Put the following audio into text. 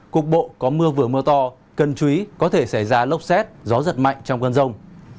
cục bộ có mưa vừa mưa to cần chú ý có thể xảy ra lốc xét gió giật mạnh trong cơn rông